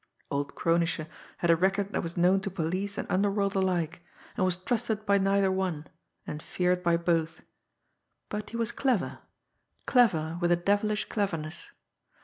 Old Kronische had a record that was known to police and underworld alike and was trusted by neither one, and feared by both. But he was clever clever with a devilish cleverness.